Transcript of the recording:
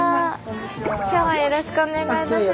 今日はよろしくお願いいたします。